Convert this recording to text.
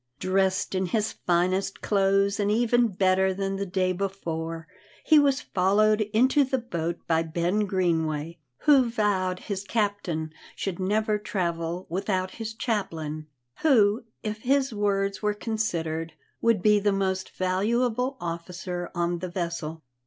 Dressed in his finest clothes, and even better than the day before, he was followed into the boat by Ben Greenway, who vowed his captain should never travel without his chaplain, who, if his words were considered, would be the most valuable officer on the vessel.